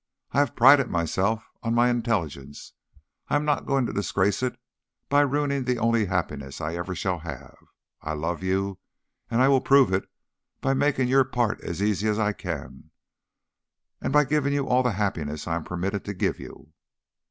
I have prided myself on my intelligence. I am not going to disgrace it by ruining the only happiness I ever shall have. I love you, and I will prove it by making your part as easy as I can, and by giving you all the happiness I am permitted to give you."